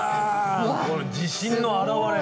これ自信の表れ。